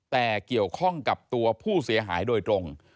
แต่เกี่ยวข้องกับตัวผู้เสียหายโดยตรง